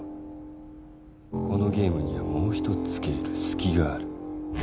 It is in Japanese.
このゲームにはもう一つ付け入るすきがある。